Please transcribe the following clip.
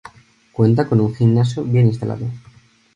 Cuenta con un gimnasio bien instalado.